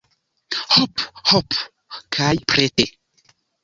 Hop, hop kaj prete!